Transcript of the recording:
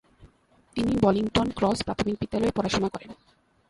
তিনি Bollington Cross প্রাথমিক বিদ্যালয়ে পড়াশোনা করেন।